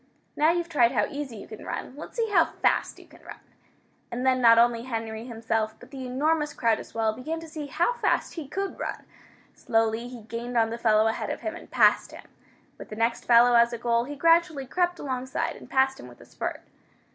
"Now you've tried how easy you can run, let's see how fast you can run!" And then not only Henry himself, but the enormous crowd as well, began to see how fast he could run. Slowly he gained on the fellow ahead of him, and passed him. With the next fellow as a goal, he gradually crept alongside, and passed him with a spurt.